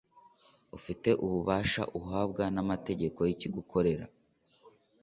ufite ububasha uhabwa n amategeko yikigo ukorera